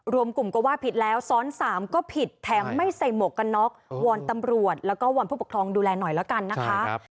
รวมกลุ่มก็ว่าผิดแล้วซ้อน๓ก็ผิดแถมไม่ใส่หมวกกันน็อกวอนตำรวจแล้วก็วอนผู้ปกครองดูแลหน่อยแล้วกันนะคะ